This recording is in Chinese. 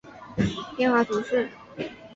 朗雅克人口变化图示